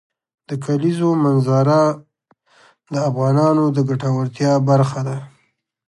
د کلیزو منظره د افغانانو د ګټورتیا برخه ده.